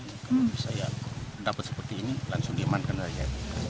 kalau bisa ya dapat seperti ini langsung diamankan saja